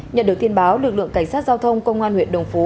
nhận được tin báo lực lượng cảnh sát giao thông công an huyện đồng phú